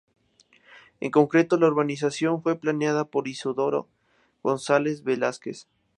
En concreto, la urbanización fue planeada por Isidoro González Velázquez.